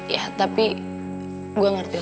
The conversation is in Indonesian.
ya tapi saya mengerti